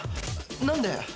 何で？